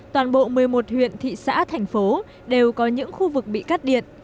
toàn bộ một mươi một huyện thị xã thành phố đều có những khu vực bị cắt điện